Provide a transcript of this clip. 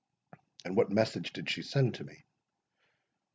"And what message did she send to me?"